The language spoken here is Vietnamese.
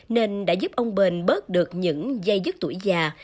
nên đã giúp ông bền bớt được những dây dứt tuổi già